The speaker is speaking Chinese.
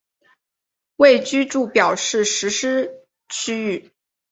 为住居表示实施区域。